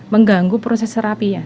mengganggu proses terapi